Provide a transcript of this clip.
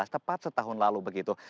tepat setahun lalu begitu